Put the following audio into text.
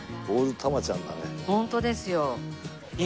ホントですよ。